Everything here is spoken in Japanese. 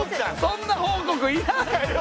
そんな報告いらんって！